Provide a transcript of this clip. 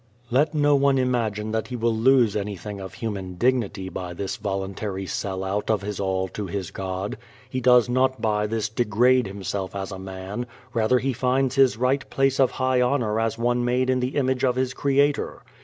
Let no one imagine that he will lose anything of human dignity by this voluntary sell out of his all to his God. He does not by this degrade himself as a man; rather he finds his right place of high honor as one made in the image of his Creator.